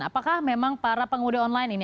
apakah memang para pengemudi online ini